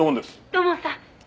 土門さん